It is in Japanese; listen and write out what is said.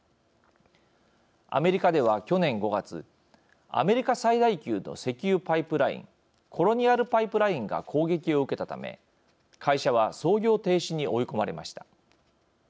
アメリカでは、去年５月アメリカ最大級の石油パイプラインコロニアル・パイプラインが攻撃を受けたため、会社は操業停止に追い込まれました。